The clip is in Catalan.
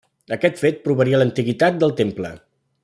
Aquest fet provaria l'antiguitat del temple.